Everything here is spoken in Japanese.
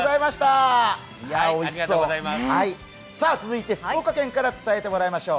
続いて福岡県から伝えてもらいましょう。